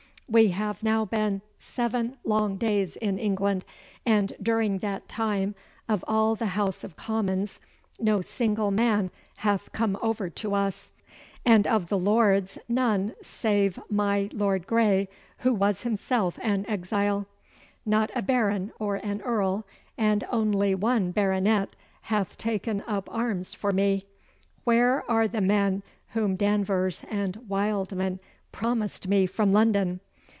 We have now been seven long days in England, and during that time of all the House of Commons no single man hath come over to us, and of the lords none gave my Lord Grey, who was himself an exile. Not a baron or an earl, and only one baronet, hath taken up arms for me. Where are the men whom Danvers and Wildman promised me from London?